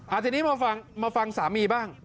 อาทิตย์นี้มาฟังสามีบ้าง